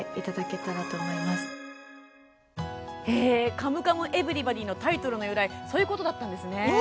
「カムカムエヴリバディ」の由来そういうことだったんですね。